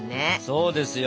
そうですよ！